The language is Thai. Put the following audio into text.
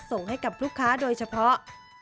ส่งให้กับลูกค้าโดยเฉพาะ